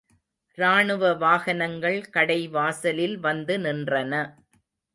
ராணுவ வாகனங்கள் கடை வாசலில் வந்து நின்றன.